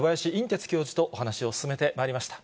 てつ教授とお話を進めてまいりました。